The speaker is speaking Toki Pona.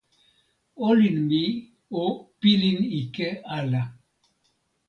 olin mi o pilin ike ala.